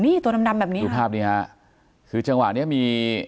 นี่ตัวดำแบบนี้ครับดูภาพนี้ฮะคือจังหวะนี้มี